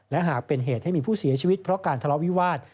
และหากเป็นเหตุให้มีผู้เสียชีวิตเพราะการทะเลาะวิวาส